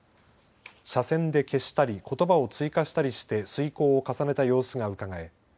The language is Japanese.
斜線で消したりことばを追加したりして推こうを重ねた様子がうかがえ